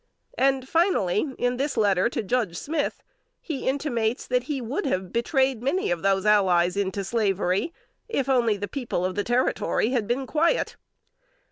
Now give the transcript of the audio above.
And finally, in this letter to Judge Smith, he intimates that he would have betrayed many of those allies to slavery, if the people of the Territory had been quiet.